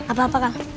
sampai jumpa lagi